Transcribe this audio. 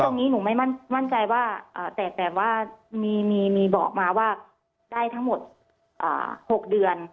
ตรงนี้หนูไม่มั่นใจว่าแต่ว่ามีบอกมาว่าได้ทั้งหมด๖เดือน